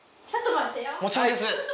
もちろんです。